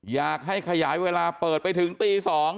อยากให้ขยายเวลาเปิดไปถึงตี๒